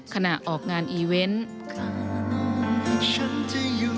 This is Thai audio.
ขณะออกงานอีเวนต์